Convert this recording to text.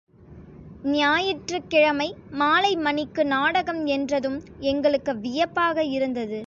ஞாயிற்றுக்கிழமை மாலை மணிக்கு நாடகம் என்றதும் எங்களுக்கு வியப்பாக இருந்தது.